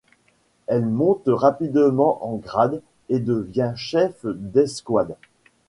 Elle monte rapidement en grade et devient chef d'escouade.